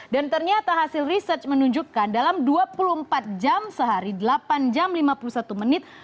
dan ternyata hasil research menunjukkan dalam dua puluh empat jam sehari delapan jam lima puluh satu menit